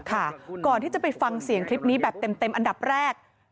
ก่อนที่จะไปฟังเสียงคลิปนี้แบบเต็มอันดับแรก